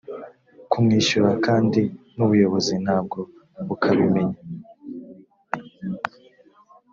kumwishyura kandi n ubuyobozi ntabwo bukabimenya